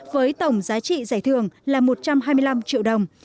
với tổng giá trị giải thưởng là một trăm hai mươi năm triệu đồng